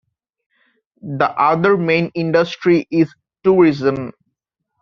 The other main industry is tourism.